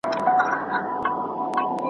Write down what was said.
سرګردان لکه مېچن یم پکښي ورک مي صبح و شام دی !.